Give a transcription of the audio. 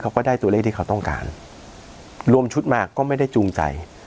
ก็ได้ตัวเลขที่เขาต้องการรวมชุดมาก็ไม่ได้จูงใจ